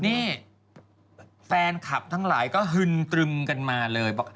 นี่แฟนคลับทั้งหลายก็ฮึนตรึมกันมาเลยบอก